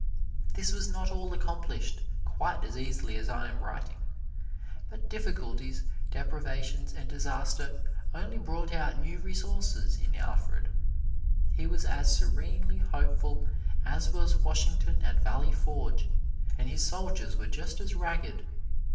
This was not all accomplished quite as easily as I am writing it, but difficulties, deprivations and disaster only brought out new resources in Alfred. He was as serenely hopeful as was Washington at Valley Forge, and his soldiers were just as ragged.